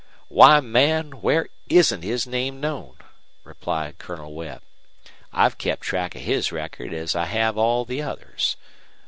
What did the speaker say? "Why, man, where isn't his name known?" returned Colonel Webb. "I've kept track of his record as I have all the others.